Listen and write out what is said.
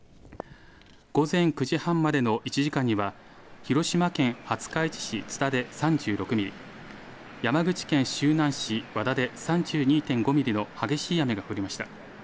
午前９時半までの１時間には、広島県廿日市市津田で３６ミリ、山口県周南市和田で３２．５ミリの激しい雨が降りました。